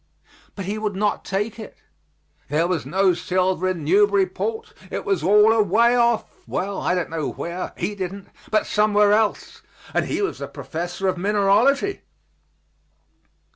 But he would not take it. There was no silver in Newburyport; it was all away off well, I don't know where; he didn't, but somewhere else and he was a professor of mineralogy.